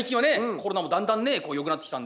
コロナもだんだんねよくなってきたんで。